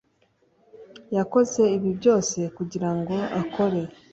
yakoze ibi byose kugira ngo akore